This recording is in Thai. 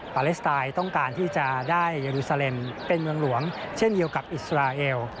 ปาเลสไตน์ต้องการที่จะได้เยอรูซาเลมเป็นเมืองหลวงเช่นเดียวกับอิสราเอล